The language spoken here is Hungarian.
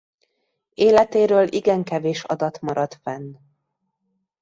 Életéről igen kevés adat maradt fenn.